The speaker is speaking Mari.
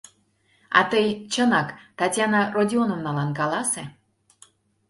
— А тый, чынак, Татьяна Родионовналан каласе.